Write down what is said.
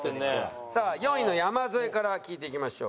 さあ４位の山添から聞いていきましょう。